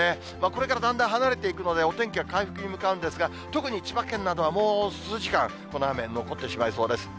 これからだんだん離れていくので、お天気は回復に向かうんですが、特に千葉県などはもう数時間、この雨残ってしまいそうです。